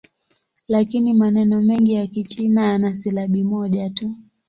Lakini maneno mengi ya Kichina yana silabi moja tu.